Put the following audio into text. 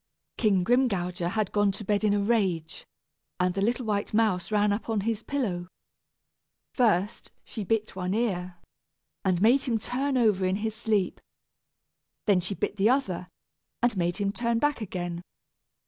King Grimgouger had gone to bed in a rage, and the little white mouse ran up on his pillow. First she bit one ear, and made him turn over in his sleep. Then she bit the other, and made him turn back again.